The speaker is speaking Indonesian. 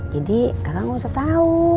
jadi kakak gak usah tau